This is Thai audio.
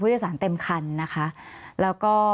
ทางเต็มคันนะคะแล้วก็